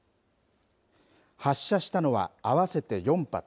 発射したのは、合わせて４発。